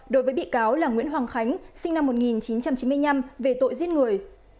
đối với bị cáo là nguyễn hoàng khánh sinh năm một nghìn chín trăm chín mươi năm về tội giết người